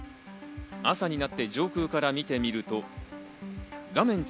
朝になって上空から見てみると画面